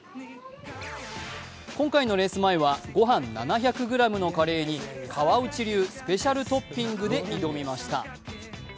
今回のレース前は、ごはん７００ｇのカレーに川内流スペシャルトッピングで挑みました。